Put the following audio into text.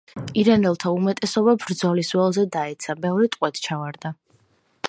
ირანელთა უმეტესობა ბრძოლის ველზე დაეცა, ბევრი ტყვედ ჩავარდა.